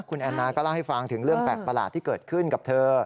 คุณแอนนาก็เล่าให้ฟังถึงเรื่องแปลกประหลาดที่เกิดขึ้นกับเธอ